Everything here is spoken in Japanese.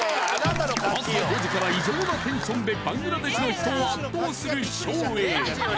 朝５時から異常なテンションでバングラデシュの人を圧倒する照英